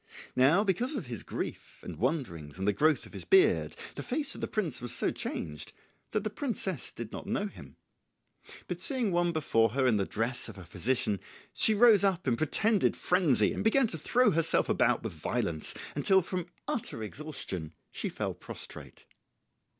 Now because of his grief and wanderings and the growth of his beard, the face of the prince was so changed that the princess did not know him; but seeing one before her in the dress of a physician she rose up in pretended frenzy and began to throw herself about with violence, until from utter exhaustion she fell prostrate.